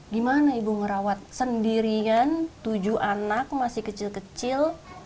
gimana ibu ngerawat sendirian tujuh anak masih kecil kecil